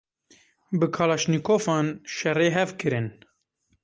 Bi Klaşnîkofan şerê hev kirin.